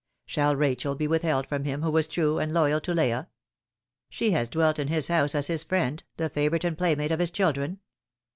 Shall Rachel be withheld from him who was true and loyal to Leah ? She has dwelt in his house as his friend, the favourite and play mate of his children.